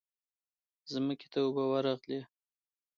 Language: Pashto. ځمکې ته اوبه ورغلې.